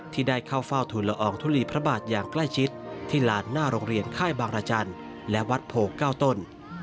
ที่ได้เข้าเฝ้าทุนละอองทุลีพระบาทอย่างใกล้ชิดที่ลานหน้าโรงเรียนค่ายบางรจันทร์และวัดโพเก้าต้น